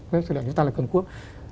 với số lượng nước ta là cường quốc